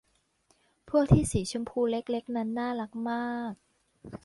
พวกที่สีชมพูเล็ก ๆ นั้นน่ารักมาก